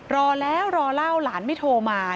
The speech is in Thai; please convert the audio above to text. รอแล้วรอเล่าหลานไม่โทรมา